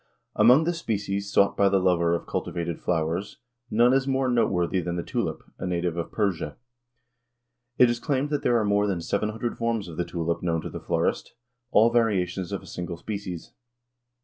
Among the species sought by the lover of cultivated flowers none is more noteworthy than the tulip, a native of Persia. It is claimed that there are more than seven hundred forms of the tulip known to the florist all variations of a single species.